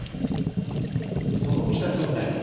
その北朝鮮。